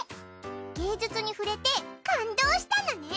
芸術に触れて感動したのね！